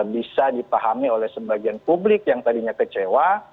bisa dipahami oleh sebagian publik yang tadinya kecewa